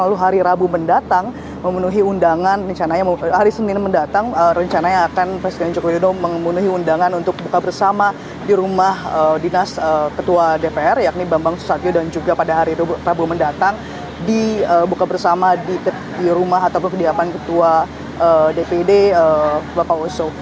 lalu hari rabu mendatang memenuhi undangan hari senin mendatang rencananya akan presiden jokowi dodo memenuhi undangan untuk buka bersama di rumah dinas ketua dpr yakni bambang susatio dan juga pada hari rabu mendatang dibuka bersama di rumah atau kegiatan ketua dpd bapak oso